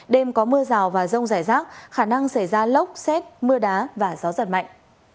đêm có mưa rào và rông rải rác khả năng xảy ra lốc xét mưa đá và gió giật mạnh